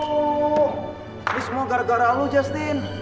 ini semua gara gara lo justin